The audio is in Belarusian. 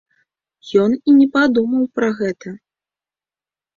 Ён і не падумаў пра гэта.